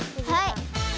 はい。